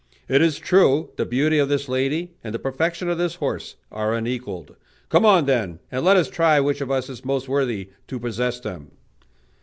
It is true, the beauty of this lady and the perfection of this horse are unequalled; come on, then, and let us try which of us is most worthy to possess them."